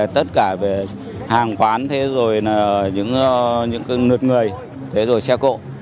tất cả hàng khoán những lượt người xe cộ